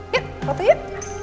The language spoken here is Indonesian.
yuk foto yuk